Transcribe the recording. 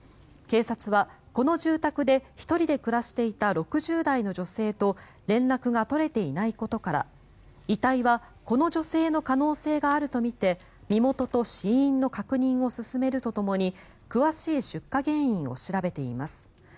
警察は、この住宅で１人で暮らしていた６０代の女性と連絡が取れていないことから遺体はこの女性の可能性があるとみて身元と死因の確認を進めるとともに詳しい出火原因を調べています。